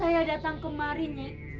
saya datang kemari nyi